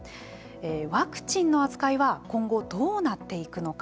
ワクチンの扱いは今後、どうなっていくのか。